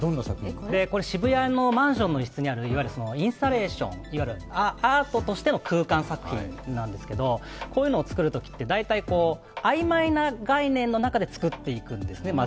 渋谷のマンションの一室にあるいわゆるインスタレーション、アートとしての空間作品なんですけどこういうのを作るときって大体、まずは曖昧な概念の中で作っていくんですね。